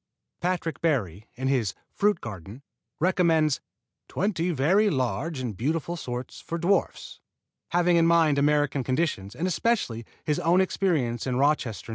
Patrick Barry, in his "Fruit Garden," recommends "twenty very large and beautiful sorts for dwarfs," having in mind American conditions, and especially his own experience in Rochester, N.